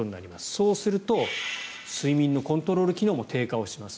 そうすると、睡眠のコントロール機能も低下します。